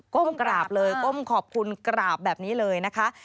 ก้มกราบเลยก้มขอบคุณกราบแบบนี้เลยนะคะ